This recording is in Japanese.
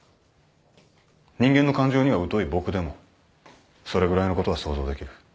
人間の感情には疎い僕でもそれぐらいのことは想像できる。